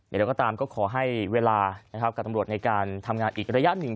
เดี๋ยวเราก็ตามก็ขอให้เวลานะครับกับตำรวจในการทำงานอีกระยะหนึ่ง